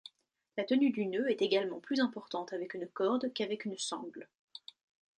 La tenue du nœud est également plus importante avec une corde qu'avec une sangle.